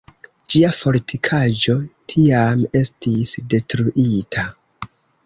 Ĝia fortikaĵo tiam estis detruita.